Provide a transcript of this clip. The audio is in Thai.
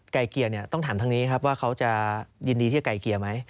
เกลี่ยต้องถามทางนี้ครับว่าเขาจะยินดีที่จะไกลเกลี่ยไหม